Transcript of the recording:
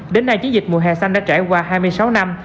đến nay chiến dịch mùa hè xanh đã trải qua hai mươi sáu năm